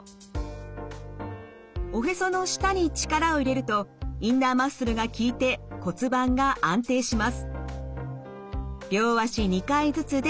おへその下に力を入れるとインナーマッスルがきいて骨盤が安定します。